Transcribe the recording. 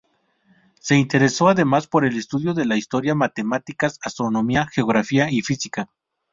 Se interesó, además, por el estudio de la historia, matemáticas, astronomía, geografía y física.